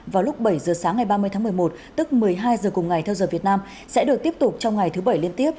vào lúc bảy giờ sáng ngày ba mươi tháng một mươi một tức một mươi hai giờ cùng ngày theo giờ việt nam sẽ được tiếp tục trong ngày thứ bảy liên tiếp